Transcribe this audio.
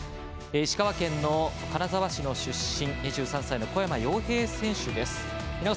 石川県金沢市出身の２３歳の小山陽平選手です。